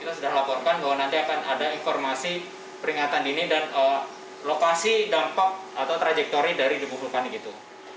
kita sudah laporkan bahwa nanti akan ada informasi peringatan dini dan lokasi dampak atau trajektori dari debu vulkanik itu